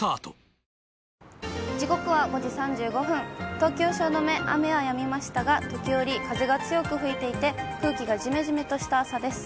東京・汐留、雨はやみましたが、時折、風が強く吹いていて、空気がじめじめとした朝です。